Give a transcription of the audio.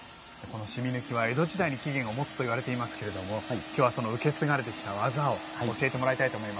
染み抜きは江戸時代に起源を持つといわれていますけれども今日はその受け継がれてきた技を教えてもらいたいと思います。